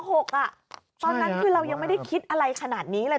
ตอนนั้นคือเรายังไม่ได้คิดอะไรขนาดนี้เลย